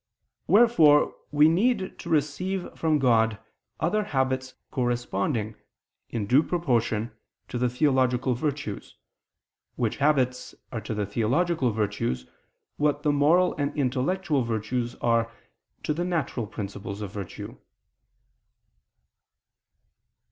Wherefore we need to receive from God other habits corresponding, in due proportion, to the theological virtues, which habits are to the theological virtues, what the moral and intellectual virtues are to the natural principles of virtue.